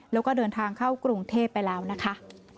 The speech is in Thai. แล้วก็เดินทางเข้ากรุงเทพไปแล้วนะคะ